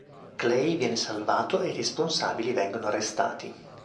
Clay viene salvato e i responsabili vengono arrestati.